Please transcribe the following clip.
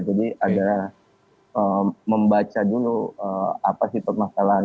jadi agar membaca dulu apa sih permasalahan